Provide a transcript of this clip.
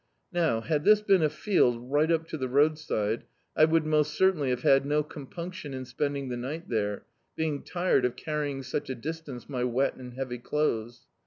Now, had this been a field ri^t up to the roadside, I would most certainly have had no compunction in spending the night there, being tired of carrying such a distance my wet and heavy clothes.